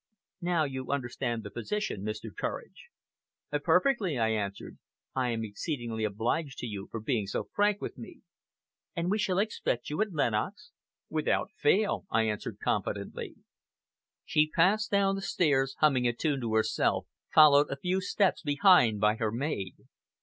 Now you understand the position, Mr. Courage." "Perfectly," I answered. "I am exceedingly obliged to you for being so frank with me." "And we shall expect you at Lenox?" "Without fail!" I answered confidently. She passed down the stairs, humming a tune to herself, followed a few steps behind by her maid.